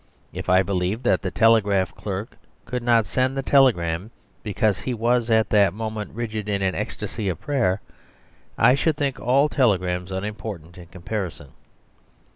If I believed that the telegraph clerk could not send the telegram because he was at that moment rigid in an ecstasy of prayer, I should think all telegrams unimportant in comparison.